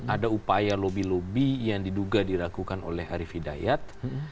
ada upaya lobi lobi yang diduga dirakukan oleh arief hidayat